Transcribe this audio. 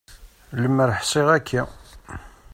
Lemmer ḥṣiɣ akka.